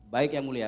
baik yang mulia